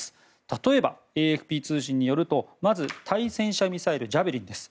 例えば、ＡＦＰ通信によるとまず対戦車ミサイルジャベリンです。